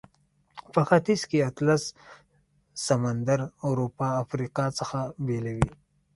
په ختیځ کې اطلس سمندر اروپا او افریقا څخه بیلوي.